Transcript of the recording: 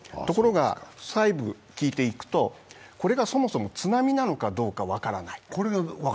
ところが、細部を聞いていくと、これがそもそも津波なのかどうか分からない。